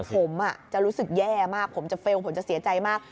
ผมจะรู้สึกแย่มากผมจะเฟลล์ผมจะเสียใจมาก